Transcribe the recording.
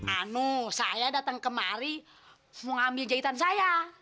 anu saya datang kemari mau ambil jahitan saya